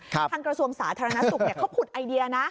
กระทรวงสาธารณสุขเขาผุดไอเดียนะ